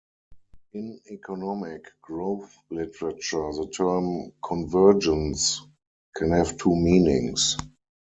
In economic growth literature the term "convergence" can have two meanings.